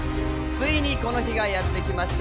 ついにこの日がやってきました。